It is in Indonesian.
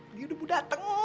eh dia udah mau datang